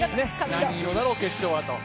何色だろう、決勝はと。